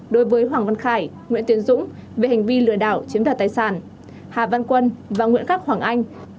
đối với hoàng văn khải nguyễn tiến dũng về hành vi lừa đảo chiếm đoạt tài sản hà văn quân và nguyễn khắc hoàng anh